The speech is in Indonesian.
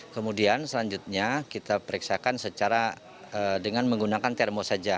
kemudian selanjutnya kita periksakan secara dengan menggunakan termos saja